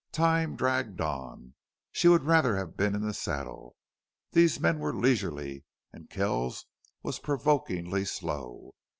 Time dragged on. She would rather have been in the saddle. These men were leisurely, and Kells was provokingly slow.